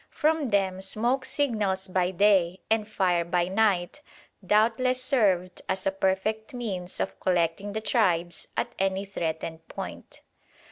From them smoke signals by day and fire by night doubtless served as a perfect means of collecting the tribes at any threatened point.